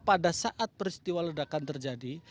pada saat peristiwa ledakan terjadi